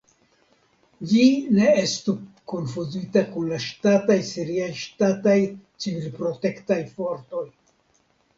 Ĝi ne estu konfuzita kun la ŝtataj siriaj ŝtataj civilprotektaj fortoj.